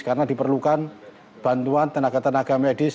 karena diperlukan bantuan tenaga tenaga medis